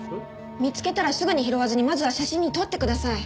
見つけたらすぐに拾わずにまずは写真に撮ってください！